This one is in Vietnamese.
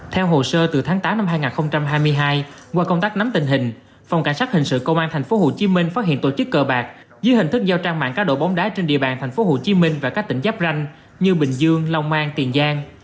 theo hồ sơ từ tháng tám năm hai nghìn hai mươi hai qua công tác nắm tình hình phòng cảnh sát hình sự công an tp hcm phát hiện tổ chức cờ bạc dưới hình thức giao trang mạng cá độ bóng đá trên địa bàn tp hcm và các tỉnh giáp ranh như bình dương long an tiền giang